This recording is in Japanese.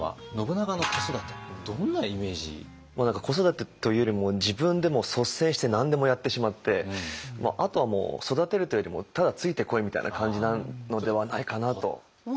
子育てというよりも自分で率先して何でもやってしまってあとは育てるというよりもただ「ついてこい」みたいな感じなのではないかなと。